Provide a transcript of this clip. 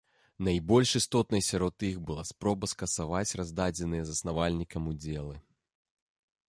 Найбольш істотнай сярод іх была спроба скасаваць раздадзеныя заснавальнікам удзелы.